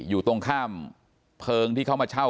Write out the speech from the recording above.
อยู่ตรงข้ามเพลิงที่เขามาเช่า